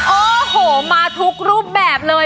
โอ้โหมาทุกรูปแบบเลย